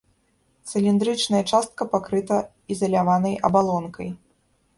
Цыліндрычная частка пакрыта ізаляванай абалонкай.